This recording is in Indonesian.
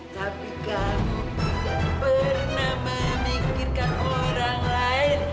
tapi kamu tidak pernah memikirkan orang lain